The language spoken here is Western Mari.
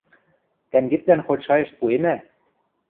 Тӓнгетлӓн хоть шайышт пуэмӓ.